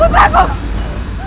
untuk mereka yang sudah lemah